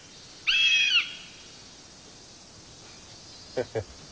フフッ。